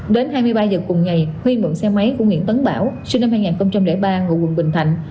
đến hai mươi ba giờ cùng ngày huy mượn xe máy của nguyễn tấn bảo sinh năm hai nghìn ba ngụ quận bình thạnh